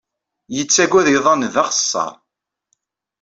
Yettaggad iḍan d axeṣṣar.